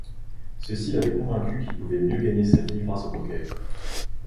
Ceci l'avait convaincu qu'il pouvait mieux gagner sa vie grâce au poker.